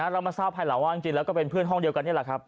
เรามาทราบภายหลังว่าจริงแล้วก็เป็นเพื่อนห้องเดียวกันนี่แหละครับ